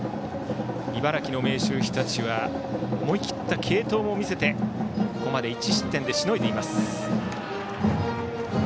茨城の明秀日立は思い切った継投も見せてここまで１失点でしのいでいます。